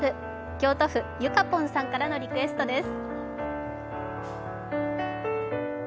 京都府ゆかぽんさんからのリクエストです。